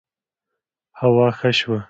هوا ښه شوه